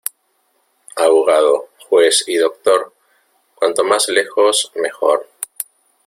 Abogado, juez y doctor, cuanto más lejos, mejor.